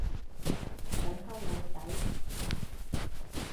想溝靚仔